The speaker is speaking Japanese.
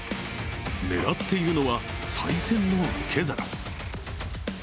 狙っているのは、さい銭の受け皿。